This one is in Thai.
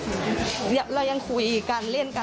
และก็มีการกินยาละลายริ่มเลือดแล้วก็ยาละลายขายมันมาเลยตลอดครับ